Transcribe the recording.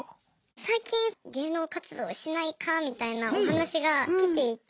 最近芸能活動しないかみたいなお話が来ていて。